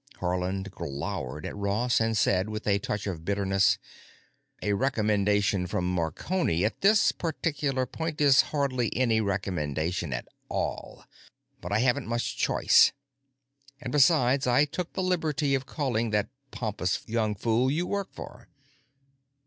Haarland glowered at Ross and said, with a touch of bitterness, "A recommendation from Marconi, at this particular point, is hardly any recommendation at all. But I haven't much choice—and, besides, I took the liberty of calling that pompous young fool you work for."